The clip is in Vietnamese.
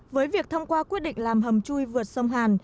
với việc thông qua quyết định làm hầm chui vượt sông hàn